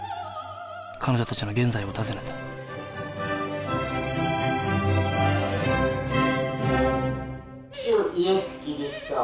彼女達の現在を訪ねた「主イエス・キリスト